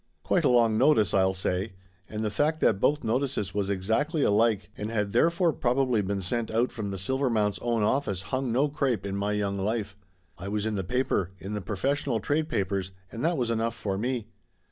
Quite a long notice, I'll say ! And the fact that both notices was exactly alike and had therefore probably been sent out from the Silvermount's own office hung no crepe in my young life ! I was in the paper, in the professional trade papers, and that was enough for me.